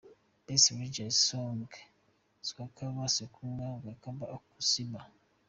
Best Religious Song Swahaba Kasumba – Mwebale Okusiiba.